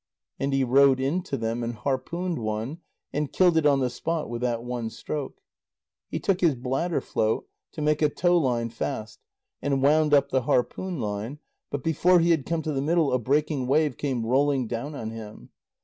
And he rowed in to them and harpooned one, and killed it on the spot with that one stroke. He took his bladder float, to make a tow line fast, and wound up the harpoon line, but before he had come to the middle, a breaking wave came rolling down on him.